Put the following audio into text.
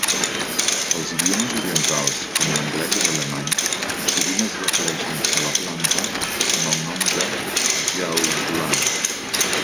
Els idiomes orientals, com l'anglès i l'alemany, sovint es refereixen a la planta amb el nom de "jiaogulan".